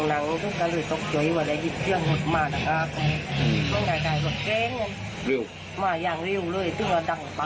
ถ้าอยู่ที่ตาเรื่องเมื่อวานเห็นสิบชนไหนหรือออกไปเรตัวกัน